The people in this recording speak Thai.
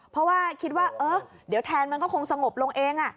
เพราะว่าคิดว่าเออเดี๋ยวแทนมันก็คงสงบลงเอง